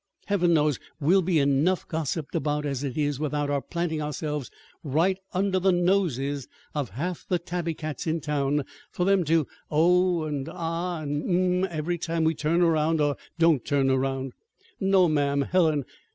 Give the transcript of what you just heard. Heaven knows we'll be enough gossiped about, as it is, without our planting ourselves right under the noses of half the tabby cats in town for them to 'oh' and 'ah' and 'um' every time we turn around or don't turn around! No, ma'am, Helen!